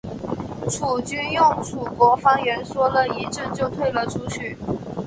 楚军用楚国方言说了一阵就退了出去。